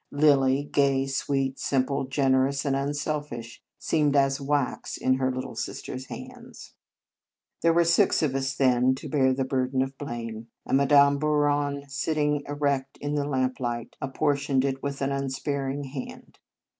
Lilly, gay, sweet, simple, generous, and un selfish, seemed as wax in her little sister s hands. 27 In Our Convent Days There were six of us, then, to bear the burden of blame; and Madame Bouron, sitting erect in the lamplight, apportioned it with an unsparing hand.